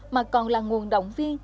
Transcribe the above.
mà còn là nguồn động viên